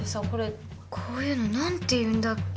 こういうの何て言うんだっけ？